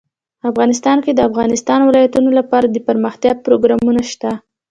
افغانستان کې د د افغانستان ولايتونه لپاره دپرمختیا پروګرامونه شته.